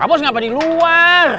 abus ngapa di luar